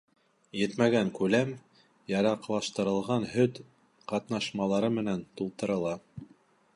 Етмәгән күләм яраҡлаштырылған һөт ҡатнашмалары менән тултырыла.